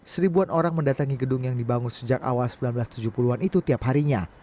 seribuan orang mendatangi gedung yang dibangun sejak awal seribu sembilan ratus tujuh puluh an itu tiap harinya